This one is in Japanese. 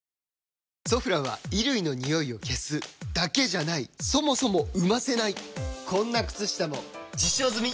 「ソフラン」は衣類のニオイを消すだけじゃないそもそも生ませないこんな靴下も実証済！